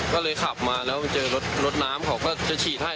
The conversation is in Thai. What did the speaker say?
ก็เลยขับมาแล้วเจอรถน้ำเขาก็จะฉีดให้